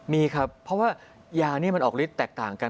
มีครับเพราะว่ายานี่มันออกฤทธิแตกต่างกัน